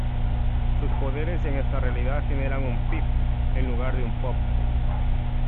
Sus poderes en esta realidad generan un "Pip" en lugar de un "Pop".